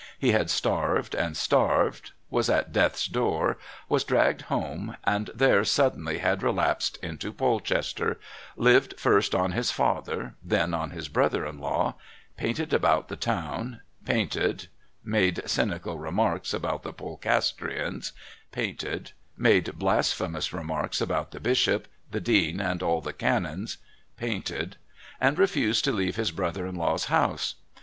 He had starved and starved, was at death's door, was dragged home, and there suddenly had relapsed into Polchester, lived first on his father, then on his brother in law, painted about the town, painted, made cynical remarks about the Polcastrians, painted, made blasphemous remarks about the bishop, the dean and all the canons, painted, and refused to leave his brother in law's house.